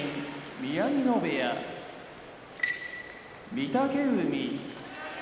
宮城野部屋御嶽海